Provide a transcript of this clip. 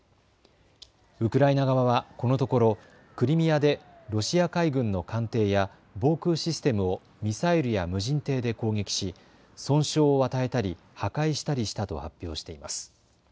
ウクライナ側はこのところクリミアでロシア海軍の艦艇や防空システムをミサイルや無人艇で攻撃し、損傷を与えたり破壊したりしたと発表しています。